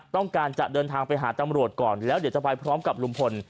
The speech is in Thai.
ต้องการจะเดินทางไปหาตำรวจก่อนแล้วเดี๋ยวจะไปพร้อมกับลุงพล